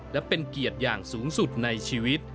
และเป็นเกียรติอย่างสูงสุดในชีวิต